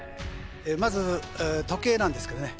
まず時計なんですけどね